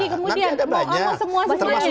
ini apa lagi kemudian